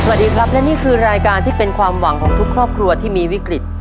สวัสดีครับและนี่คือรายการที่เป็นความหวังของทุกครอบครัวที่มีวิกฤต